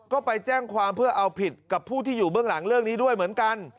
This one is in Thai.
ก็ไปแจ้งความเพื่อเอาผิดกับผู้ที่อยู่เบื้องหลังเรื่องนี้ด้วยเหมือนกัน